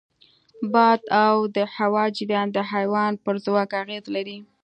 باد او د هوا جریان د حیوان پر ځواک اغېز لري.